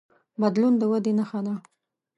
بدلون د ودې نښه ده.